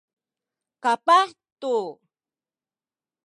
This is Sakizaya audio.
kapah tu